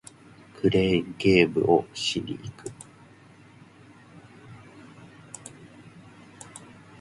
クレーンゲームをしに行く